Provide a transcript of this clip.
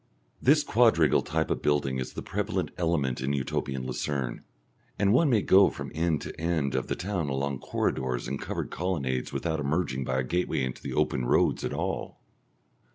This quadrangle type of building is the prevalent element in Utopian Lucerne, and one may go from end to end of the town along corridors and covered colonnades without emerging by a gateway into the open roads at all.